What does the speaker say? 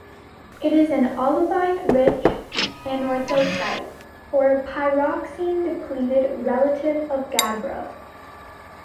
It is an olivine-rich anorthosite, or a pyroxene-depleted relative of gabbro.